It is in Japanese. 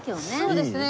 そうですね。